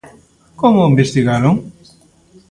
Como o investigaron?